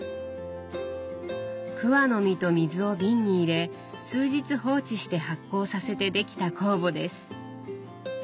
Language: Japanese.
桑の実と水を瓶に入れ数日放置して発酵させてできた酵母です。